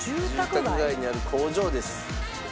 住宅街にある工場です。